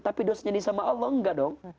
tapi dosenya ini sama allah enggak dong